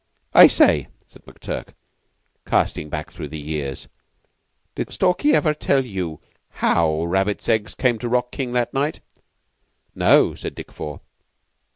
"I say," said McTurk, casting back through the years, "did Stalky ever tell you how Rabbits Eggs came to rock King that night?" "No," said Dick Four.